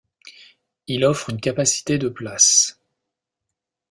Il offre une capacité de places.